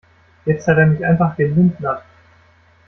Jetzt hat er mich einfach gelindnert.